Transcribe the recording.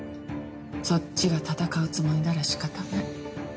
そっちが戦うつもりなら仕方ない。